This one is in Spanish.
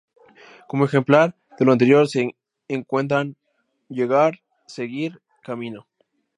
Como ejemplo de lo anterior se encuentran: 达, ‘llegar’; 辿, ‘seguir’; 道, ‘camino’.